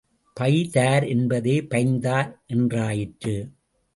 By தார் என்பதே பைந்தார் என்றாயிற்று.